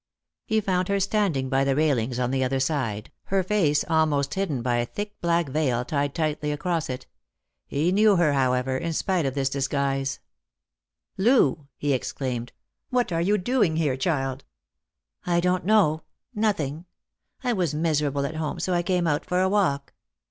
He found her standing by the railings on the other side, her face almost hidden by a thick black veil tied tightly across it. He knew her, however, in spite of this disguise. Lost for Love. 93 " Loo !" he exclaimed, " what are you doing here, child P "" I don't know — nothing ! I was miserable at home, so I came out for a walk.